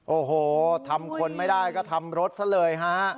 โอ้โหทำคนไม่ได้ก็ทำรถซะเลยฮะ